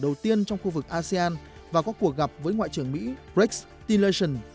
đầu tiên trong khu vực asean và có cuộc gặp với ngoại trưởng mỹ rex tillerson